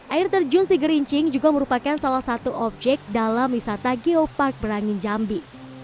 air terjun si gerincing juga merupakan salah satu objek dalam wisata geopark berangin jambi